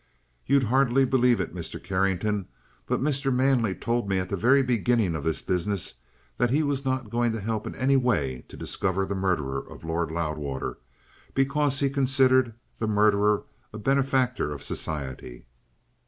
"You'd hardly believe it, Mr. Carrington, but Mr. Manley told me at the very beginning of this business that he was not going to help in any way to discover the murderer of Lord Loudwater, because he considered that murderer a benefactor of society."